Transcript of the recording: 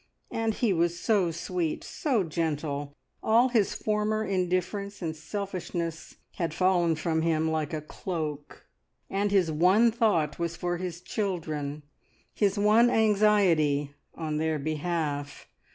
And he was so sweet, so gentle; all his former indifference and selfishness had fallen from him like a cloak, and his one thought was for his children, his one anxiety on their behalf.